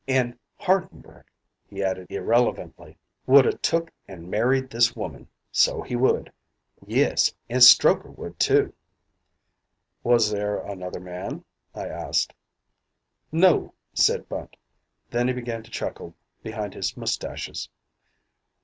An' Hardenberg," he added irrelevantly, "would a took an' married this woman, so he would. Yes, an' Strokher would, too." "Was there another man?" I asked. "No," said Bunt. Then he began to chuckle behind his mustaches.